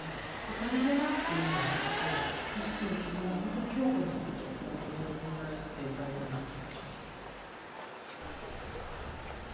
さりげなくというのではなくて、私たちの絆は本当に強固なんだと、あの指輪に込められていたような気がしました。